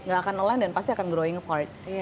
gak akan elan dan pasti akan growing apart